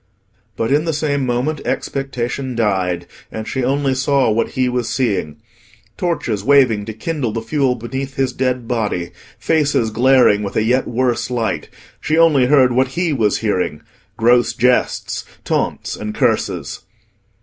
But in the same moment expectation died, and she only saw what he was seeing—torches waving to kindle the fuel beneath his dead body, faces glaring with a yet worse light; she only heard what he was hearing—gross jests, taunts, and curses.